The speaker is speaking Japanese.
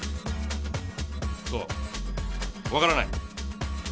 そうわからない。